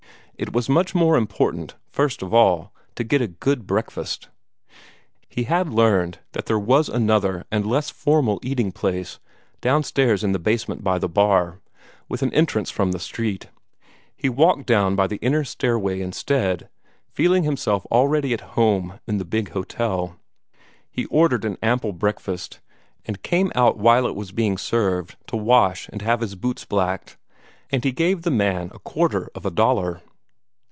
It was much more important, first of all, to get a good breakfast. He had learned that there was another and less formal eating place, downstairs in the basement by the bar, with an entrance from the street. He walked down by the inner stairway instead, feeling himself already at home in the big hotel. He ordered an ample breakfast, and came out while it was being served to wash and have his boots blacked, and he gave the man a quarter of a dollar.